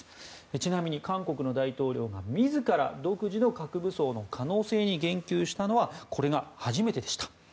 ちなみに韓国の大統領が自ら独自の核武装の可能性に言及したのはこれが初めてでした。